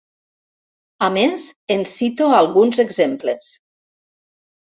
A més, en cito alguns exemples.